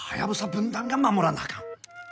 分団が守らなあかん。